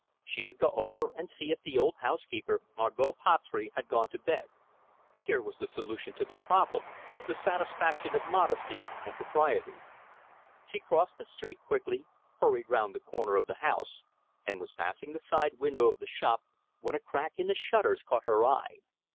She would go over and see if the old housekeeper, Margot Patry, had gone to bed. Here was the solution to the problem, the satisfaction of modesty and propriety. She crossed the street quickly, hurried round the corner of the house, and was passing the side window of the shop, when a crack in the shutters caught her eye.